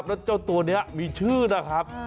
แล้วเจ้าตัวนี้มีชื่อนะครับ